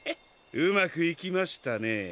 うまくいきましたね。